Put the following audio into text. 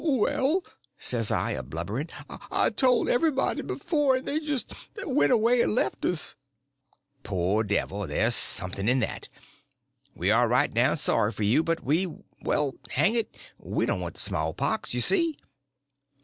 "Well," says I, a blubbering, "I've told everybody before, and they just went away and left us." "Poor devil, there's something in that. We are right down sorry for you, but we—well, hang it, we don't want the small pox, you see.